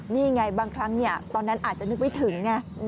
นี่ไงบางครั้งตอนนั้นอาจจะนึกไม่ถึงไง